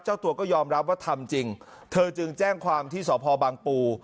เจ้าตัวก็ยอมรับว่าทำจริงเธอจึงแจ้งความที่สพบังปู